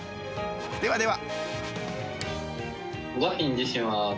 ではでは。